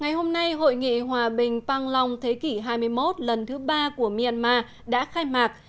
ngày hôm nay hội nghị hòa bình quang long thế kỷ hai mươi một lần thứ ba của myanmar đã khai mạc